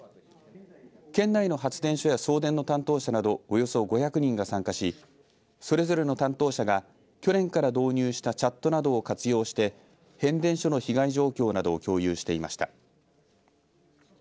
県内の発電所や送電の担当者などおよそ５００人が参加しそれぞれの担当者が去年から導入したチャットなどを活用して変電所の被害状況などを共有していました。